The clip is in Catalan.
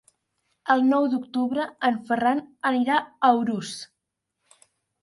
El nou d'octubre en Ferran anirà a Urús.